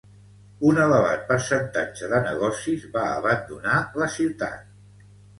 Un elevat percentatge de negocis va abandonar la ciutat.